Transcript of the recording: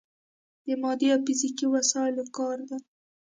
د مادي او فزیکي وسايلو کار دی.